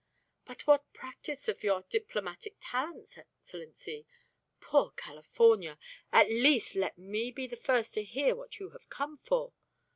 "But what a practice for your diplomatic talents, Excellency! Poor California! At least let me be the first to hear what you have come for?"